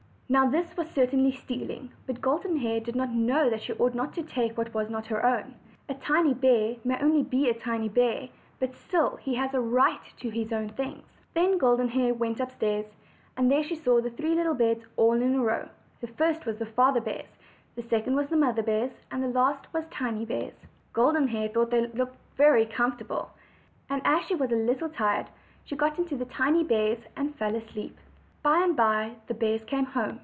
Now this was certainly stealing, but Golden Hair did not know that she ought not to take that which was not her own. A tiny bear may be only a tiny bear, but still he has a right to his own things. Then Golden Hair went upstairs, and there she saw three beds all in a row. The first was the Father bear's, the second was the Mother bear's, the last was the Tiny bear's. Golden Hair thought that they looked very comfort able, and as she was a little tired, she got into the tiny bear's, and fell asleep. By and by the bears came home.